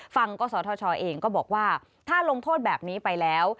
กศธชเองก็บอกว่าถ้าลงโทษแบบนี้ไปแล้ว